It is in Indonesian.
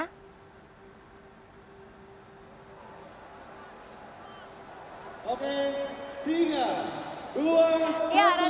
oke tiga dua satu